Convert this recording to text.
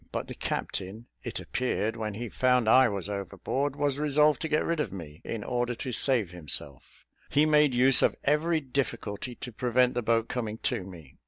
But the captain, it appeared, when he found I was overboard, was resolved to get rid of me, in order to save himself: he made use of every difficulty to prevent the boat coming to me.